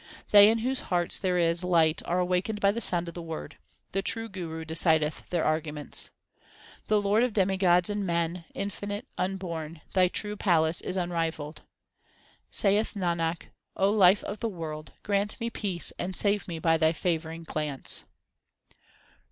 They in whose hearts there is light are awakened by the sound of the Word ; the true Guru decideth their arguments. Lord of demigods and men, infinite, unborn, Thy true palace is unrivalled. Saith Nanak, O Life of the world, grant me peace and save me by Thy favouring glance.